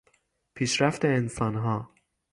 پیشرفت انسانها